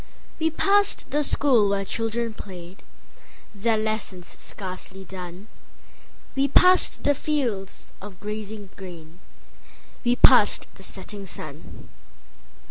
We passed the school where children played, Their lessons scarcely done; We passed the fields of gazing grain, We passed the setting sun.